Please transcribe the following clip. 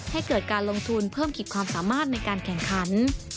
ให้เกิดการลงทุนเพิ่มขีดความสามารถในการแข่งขัน